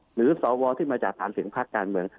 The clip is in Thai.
สวที่มาจากฐานเสียงภาคการเมือง